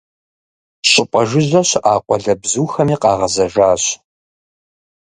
ЩӀыпӀэ жыжьэ щыӀа къуалэбзухэми къагъэзэжащ.